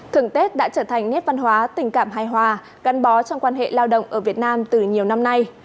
thường tết đã trở thành nét văn hóa tình cảm hài hòa gắn bó trong quan hệ lao động ở việt nam từ nhiều năm nay